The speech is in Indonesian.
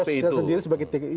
diposkan sendiri sebagai tgupp